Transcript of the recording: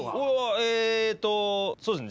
えっとそうですね